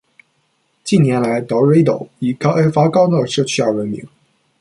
近年来 ，Dorado 以开发高档社区而闻名。